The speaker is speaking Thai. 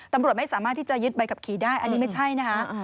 ตำรวจไม่สามารถที่จะยึดใบขับขี่ได้อันนี้ไม่ใช่นะคะ